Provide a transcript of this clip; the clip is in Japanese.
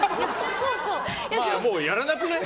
もうやらなくない？